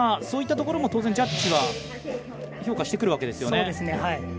そういったところも当然ジャッジは評価してくるわけですよね。